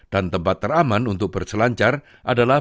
dan tempat teraman untuk berselancar adalah